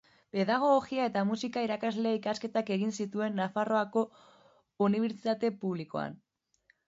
Pedagogia eta musika-irakasle ikasketak egin zituen Nafarroako Unibertsitate Publikoan.